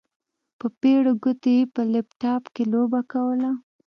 په پېړو ګوتو يې په لپټاپ کې لوبه کوله.